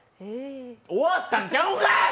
終わったんちゃうんかい！